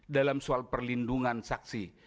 dalam soal perlindungan saksi